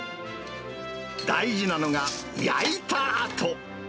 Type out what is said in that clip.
大事なのが、焼いたあと。